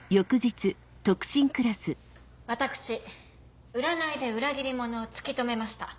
私占いで裏切り者を突き止めました。